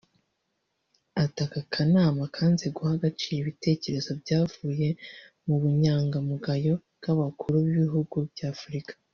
Ati” Aka kanama kanze guha agaciro ibitekerezo byavuye mu bunyangamugayo bw’Abakuru b’Ibihugu bya Afurika”